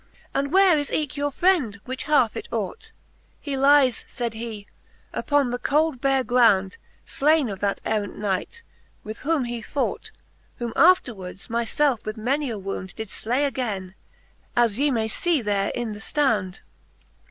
And where is eke your friend, which halfe it ought ? He lyes, faid he, upon the cold bare ground, Slayne of that errant Knight, with whom he fought ; Whom afterwards my felfe with many a wound Did flay againe, as ye may fee there in the ftound.